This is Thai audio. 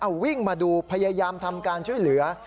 เอาวิ่งมาดูพยายามทำการช่วยเหลือ